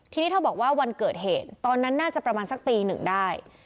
ทีนี้เธอบอกว่าวันเกิดเหตุตอนนั้นน่าจะประมาณสักตีหนึ่งได้